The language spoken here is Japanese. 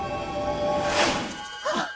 あっ！